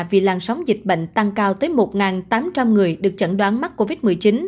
vì làn sóng dịch bệnh tăng cao tới một tám trăm linh người được chẩn đoán mắc covid một mươi chín